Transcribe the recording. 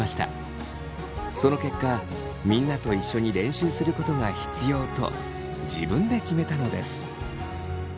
その結果みんなと一緒に練習することが必要と自分で決めたのです。